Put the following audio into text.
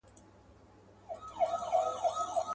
چي يوازي دي لايق د پاچاهانو.